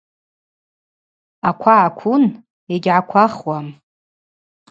Аква гӏаквун, йыгьгӏаквахуам.